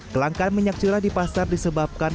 kelangkaan minyak curah di pasar disebabkan